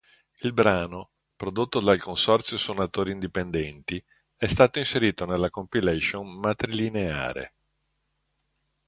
Il brano, prodotto dal Consorzio Suonatori Indipendenti, è stato inserito nella compilation "Matrilineare".